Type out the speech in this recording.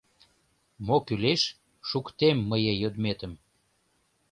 Мо кӱлеш — шуктем мые йодметым».